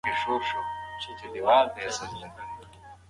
ځینې خلک پرې اندېښنه لري.